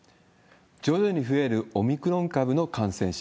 徐々に増えるオミクロン株の感染者。